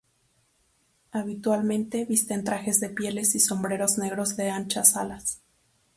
Habitualmente visten traje de pieles y sombrero negro de anchas alas.